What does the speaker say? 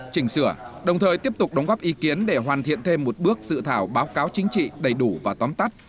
chỉnh sửa đồng thời tiếp tục đóng góp ý kiến để hoàn thiện thêm một bước dự thảo báo cáo chính trị đầy đủ và tóm tắt